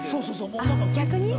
逆に？